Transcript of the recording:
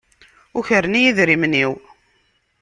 Ukren-iyi idrimen-iw.